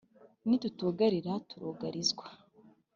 nitutugarira turugarizwa